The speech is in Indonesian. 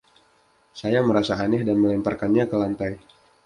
Saya merasa aneh, dan melemparkannya ke lantai.